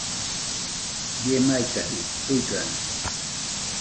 Bie maikajɨ¿tuigano?